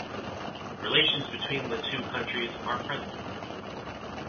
Relations between the two countries are friendly.